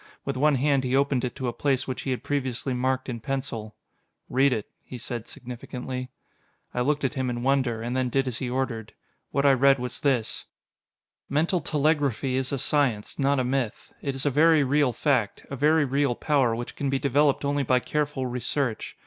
With one hand he opened it to a place which he had previously marked in pencil. "Read it," he said significantly. I looked at him in wonder, and then did as he ordered. What I read was this: "Mental telegraphy is a science, not a myth. It is a very real fact, a very real power which can be developed only by careful research.